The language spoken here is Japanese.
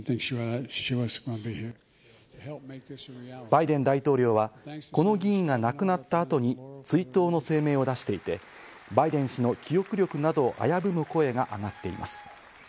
バイデン大統領は、この議員が亡くなった後に追悼の声明を出していて、バイデン氏の記憶力などを危ぶむ声が上がっています。